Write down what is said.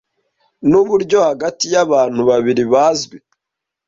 nuburyo hagati yabantu babiri bazwi